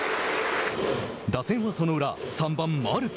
打線はその裏、３番マルテ。